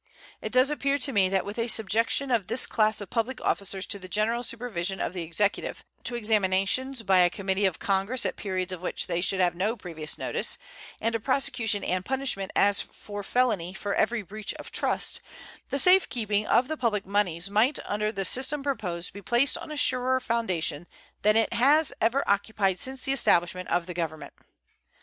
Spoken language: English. It does appear to me that with a subjection of this class of public officers to the general supervision of the Executive, to examinations by a committee of Congress at periods of which they should have no previous notice, and to prosecution and punishment as for felony for every breach of trust, the safe keeping of the public moneys might under the system proposed be placed on a surer foundation than it has ever occupied since the establishment of the Government.